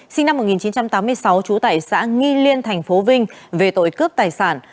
sinh năm một nghìn chín trăm tám mươi sáu trú tại xã nghi liên tp vinh về tội cướp tài sản